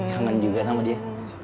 kangen juga sama dia